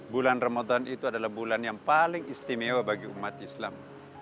bulan ramadan itu adalah bulan yang paling istimewa bagi umat islam